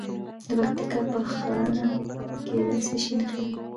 د پکتیکا په ښرنه کې د څه شي نښې دي؟